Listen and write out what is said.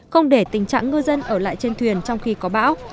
không để tình trạng ngư dân ở lại trên thuyền trong khi có bão